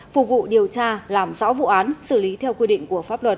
phục vụ điều tra làm rõ vụ án xử lý theo quy định của pháp luật